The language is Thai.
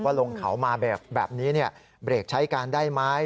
ลงเขามาแบบนี้เบรกใช้การได้ไหม